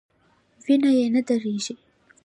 وینه یې نه دریږي.